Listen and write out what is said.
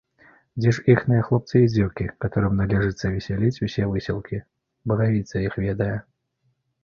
Дзе ж іхныя хлопцы і дзеўкі, каторым належыцца весяліць усе выселкі, — багавіца іх ведае.